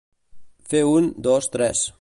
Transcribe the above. Fer un, dos, tres.